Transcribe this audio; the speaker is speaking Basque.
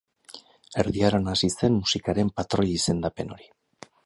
Erdi Aroan hasi zen musikarien patroi izendapen hori.